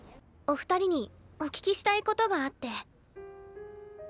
お二人にお聞きしたいことがあって。